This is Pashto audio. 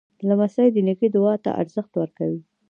لمسی د نیکه دعا ته ارزښت ورکوي.